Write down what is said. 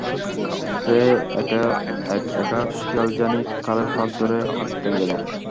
সে এক-একা শিয়ালজানি খালের পাড় ধরে হাঁটতে গেল।